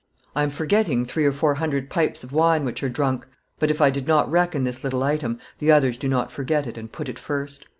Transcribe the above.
I am forgetting three or four hundred pipes of wine which are drunk; but, if I did not reckon this little item, the others do not forget it, and put it first.